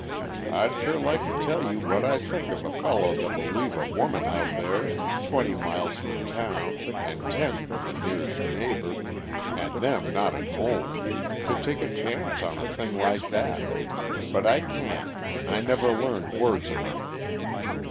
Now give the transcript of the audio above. I'd sure like to tell you what I think of a fellow that will leave a woman out there, twenty miles from town and ten from the nearest neighbor and them not at home to take a chance on a thing like that; but I can't. I never learned words enough.